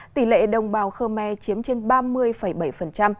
tỷ lệ đồng bào khơ me chiếm trên ba mươi bảy